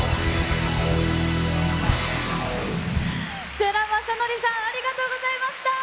世良公則さんありがとうございました。